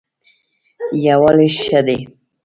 یووالی ښه دی.